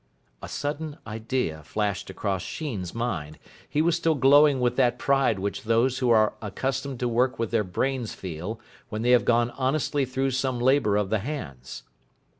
A sudden idea flashed across Sheen's mind. He was still glowing with that pride which those who are accustomed to work with their brains feel when they have gone honestly through some labour of the hands.